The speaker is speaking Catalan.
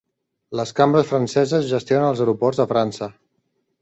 Les cambres franceses gestionen els aeroports a França.